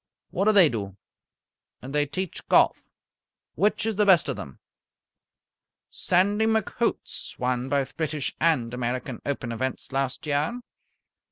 What do they do?" "They teach golf." "Which is the best of them?" "Sandy McHoots won both British and American Open events last year."